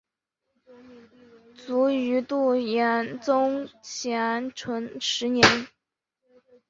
卒于度宗咸淳十年。